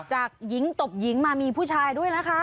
จากหญิงตบหญิงมามีผู้ชายด้วยนะคะ